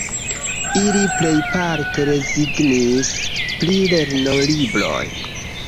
Ili plejparte rezignis pri lernolibroj.